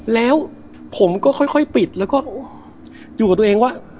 แล้วผมก็ค่อยปิดแล้วก็อยู่กับตัวเองว่า